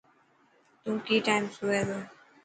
تون ڪي ٽائم سوئي تو.